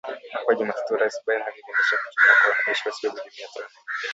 Hapo Jumatatu Rais Biden aliidhinisha kutumwa kwa wanajeshi wasiozidi mia tano